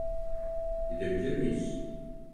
Gidebilir miyiz?